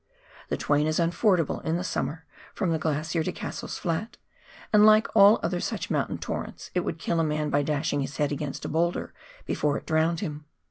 The Twain is unfordable in the summer from the glacier to Cassell's Flat, and, like all other such mountain torrents, it would kill a man by dashing his head against a boulder before it drowned him.